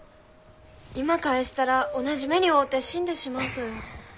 今帰したら同じ目に遭うて死んでしまうとよ。